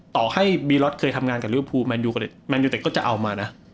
ต่อให้บีลล็อทเคยทำงานกับลิเวอร์ฟูแมนยูแตกก็จะเอามานะ